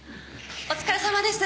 お疲れさまです。